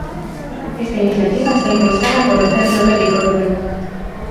Esta iniciativa está impulsada polo centro médico do club.